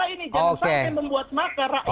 jangan sampai membuat maka rakyat disarah